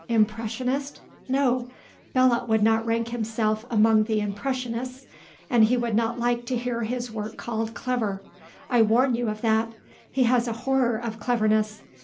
"Impressionist? No; Belot would not rank himself among the impressionists. And he would not like to hear his work called clever; I warn you of that. He has a horror of cleverness.